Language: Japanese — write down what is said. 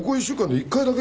１回だけ？